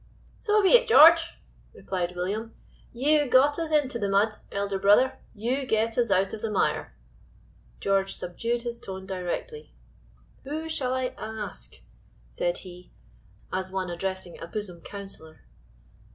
"So be it, George!" replied William, "you got us into the mud, elder brother, you get us out of the mire!" George subdued his tone directly. "Who shall I ask?" said he, as one addressing a bosom counselor.